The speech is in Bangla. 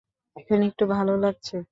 এখন একটু ভালো লাগছে?